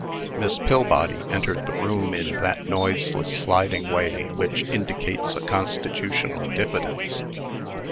Miss Pillbody entered the room in that noiseless, sliding way, which indicates a constitutional diffidence.